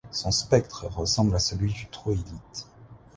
Son spectre ressemble à celui du troïlite.